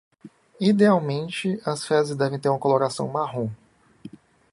Idealmente, as fezes devem ter uma coloração marrom